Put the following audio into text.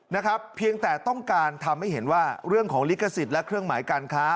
นะครับเพียงแต่ต้องการทำให้เห็นว่าเรื่องของลิขสิทธิ์และเครื่องหมายการค้า